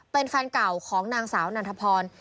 เป็นแฟนเก่าของนางสาวนันทพร